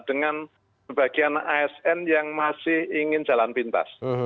dengan sebagian asn yang masih ingin jalan pintas